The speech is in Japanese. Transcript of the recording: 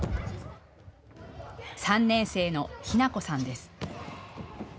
３年生のひなこさんです。